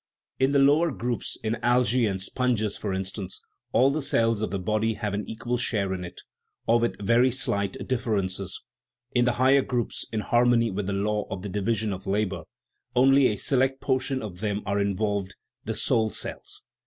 In the lower groups (in algae and sponges, for instance) all the cells of the body have an equal share in it (or with very slight differences) ; in the higher groups, in harmony with the law of the " division of labor/' only a select portion of them are involved the "soul cells."